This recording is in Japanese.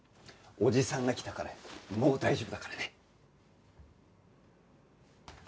おじさんが来たからもう大丈夫だからね！